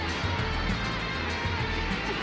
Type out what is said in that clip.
jangan makan aku